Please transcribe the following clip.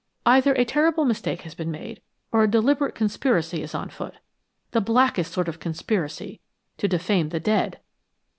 Either a terrible mistake has been made or a deliberate conspiracy is on foot the blackest sort of conspiracy, to defame the dead!"